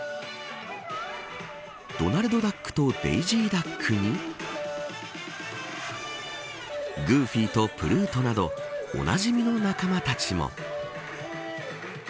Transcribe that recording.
ドナルドダックとデイジーダックにグーフィーとプルートなどおなじみの仲間たちも。